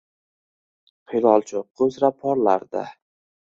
Hilol choʻqqi uzra porlardi